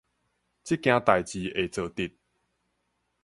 這件代誌會做得